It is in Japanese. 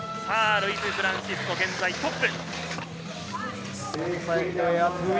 ルイス・フランシスコ、現在トップ。